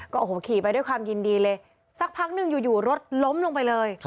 โอ้โหขี่ไปด้วยความยินดีเลยสักพักหนึ่งอยู่รถล้มลงไปเลย